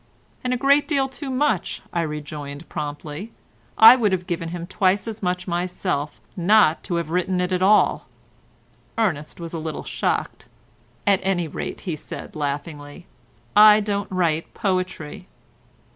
'" "And a great deal too much," I rejoined promptly. "I would have given him twice as much myself not to have written it at all." Ernest was a little shocked. "At any rate," he said laughingly, "I don't write poetry."